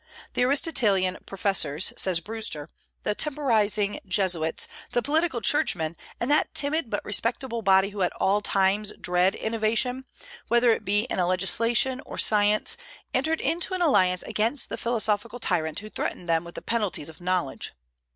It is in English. "The Aristotelian professors," says Brewster, "the temporizing Jesuits, the political churchmen, and that timid but respectable body who at all times dread innovation, whether it be in legislation or science, entered into an alliance against the philosophical tyrant who threatened them with the penalties of knowledge."